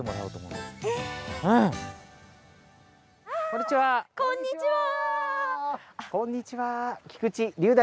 こんにちは！